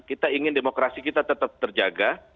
kita ingin demokrasi kita tetap terjaga